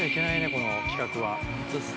この企画は。